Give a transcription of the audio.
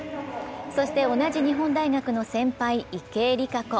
そして同じ日本大学の先輩・池江璃花子。